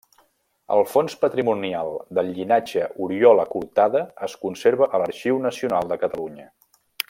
El fons patrimonial del llinatge Oriola-Cortada es conserva a l'Arxiu Nacional de Catalunya.